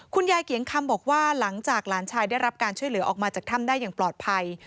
ยายเกียงคำบอกว่าหลังจากหลานชายได้รับการช่วยเหลือออกมาจากถ้ำได้อย่างปลอดภัย